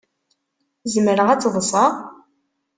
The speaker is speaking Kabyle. Zemreɣ ad tt-ḍseɣ?